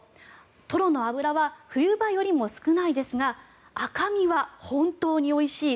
トロの脂は冬場よりも少ないですが赤身は本当においしい。